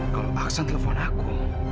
kalau aksen telepon aku